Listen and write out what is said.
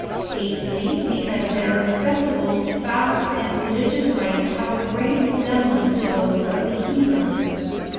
Eightly, because their festivals, fasts, and religious rites have a great resemblance to those of the Hebrews.